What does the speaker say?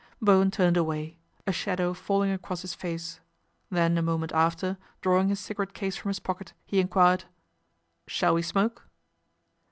Bowen turned away, a shadow falling across his face. Then a moment after, drawing his cigarette case from his pocket, he enquired, " Shall we smoke